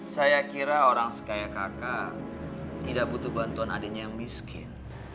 saya kira orang sekaya kakak tidak butuh bantuan adiknya yang miskin